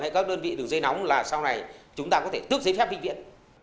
hay các đơn vị đường dây nóng là sau này chúng ta có thể tước giấy phép viện